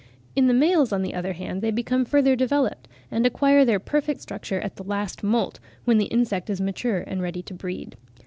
In the males, on the other hand, they become further developed, and acquire their perfect structure at the last moult, when the insect is mature and ready to breed.